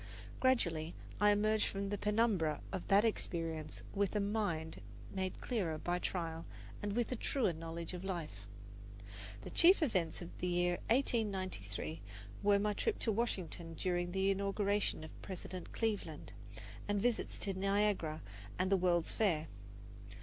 Gradually I emerged from the penumbra of that experience with a mind made clearer by trial and with a truer knowledge of life. The chief events of the year 1893 were my trip to Washington during the inauguration of President Cleveland, and visits to Niagara and the World's Fair.